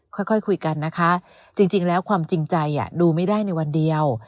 ค่อยคุยกันนะคะจริงแล้วความจริงใจดูไม่ได้ในวันเดียว